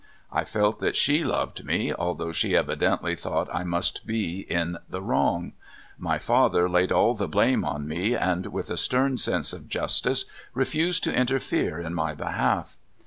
I felt that she loved me, though she evi dently thought I must be in the Avrong. My father laid all the blame on me, and, with a stern sense of justice, refused to interfere in my behalf.